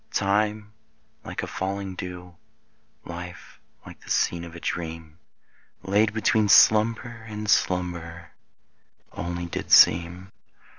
Time like a falling dew, Life like the scene of a dream Laid between slumber and slumber Only did seem.